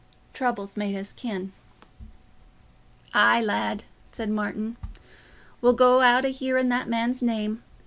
Trouble's made us kin." "Aye, lad," said Martin. "We'll go out o' hearing o' that man's name.